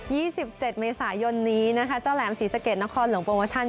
ี่สิบเจ็ดเมษายนนี้นะคะเจ้าแหลมศรีสะเกดนครหลวงโปรโมชั่น